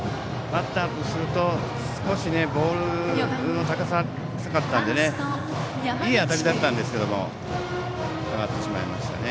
バッターとすると少しボールが高かったのでいい当たりだったんですけども上がってしまいましたね。